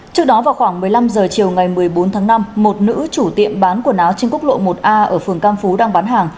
trước đó vào khoảng một mươi năm h chiều ngày một mươi bốn tháng năm một nữ chủ tiệm bán quần áo trên quốc lộ một a ở phường cam phú đang bán hàng